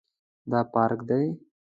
دا پارک دی